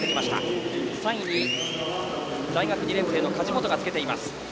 ３位に大学２年生の梶本がつけています。